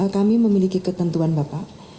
kami memiliki ketentuan bapak